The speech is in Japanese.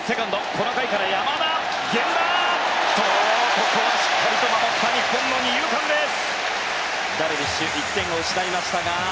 ここはしっかりと守った日本の二遊間です。